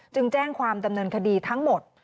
แจ้งความดำเนินคดีทั้งหมด